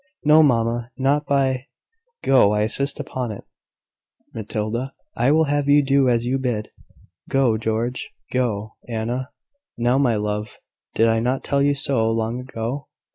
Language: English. "No, mamma; not by " "Go, I insist upon it, Matilda. I will have you do as you are bid. Go, George: go, Anna. Now, my love, did I not tell you so, long ago?